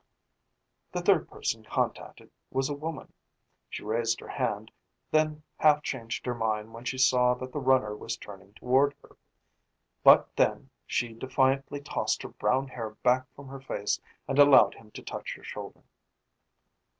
The third person contacted was a woman. She raised her hand, then half changed her mind when she saw that the runner was turning toward her. But then she defiantly tossed her brown hair back from her face and allowed him to touch her shoulder.